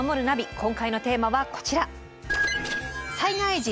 今回のテーマはこちら。